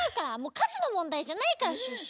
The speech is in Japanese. かずのもんだいじゃないからシュッシュ。